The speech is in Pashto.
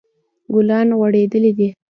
ګلان غوړیدلی دي